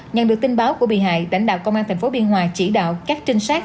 nhận được tin báo của bị hại đảnh đạo công an thành phố biên hòa chỉ đạo các trinh sát